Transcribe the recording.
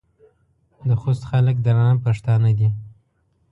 د خوست خلک درانه پښتانه دي.